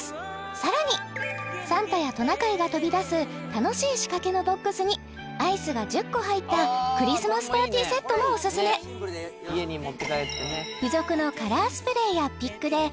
さらにサンタやトナカイが飛び出す楽しい仕掛けのボックスにアイスが１０個入ったクリスマスパーティーセットもオススメすることができおうち